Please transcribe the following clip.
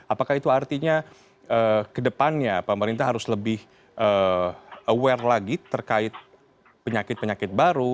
apakah itu artinya kedepannya pemerintah harus lebih aware lagi terkait penyakit penyakit baru